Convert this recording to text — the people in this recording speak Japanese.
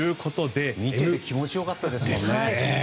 見ていて気持ちよかったですもんね。